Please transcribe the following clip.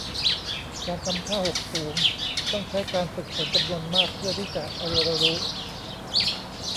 การทำท่าหกสูงต้องใช้การฝึกฝนจำนวนมากเพื่อที่จะเรียนรู้